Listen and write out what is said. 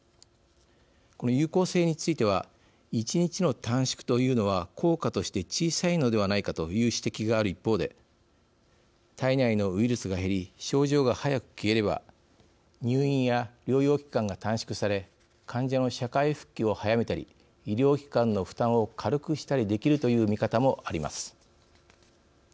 この有効性については１日の短縮というのは効果として小さいのではないかという指摘がある一方で体内のウイルスが減り症状が早く消えれば入院や療養期間が短縮され患者の社会復帰を早めたり医療機関の負担を軽くしたりできるという見方もあります。